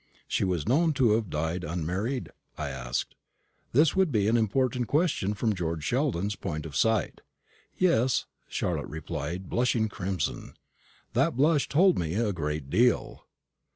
"She was known to have died unmarried?" I asked. This would be an important question from George Sheldon's point of sight. "Yes," Charlotte replied, blushing crimson. That blush told me a great deal.